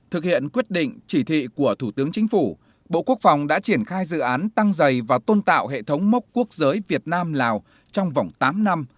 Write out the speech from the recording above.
thực hiện quyết định chỉ thị của thủ tướng chính phủ bộ quốc phòng đã triển khai dự án tăng dày và tôn tạo hệ thống mốc quốc giới việt nam lào trong vòng tám năm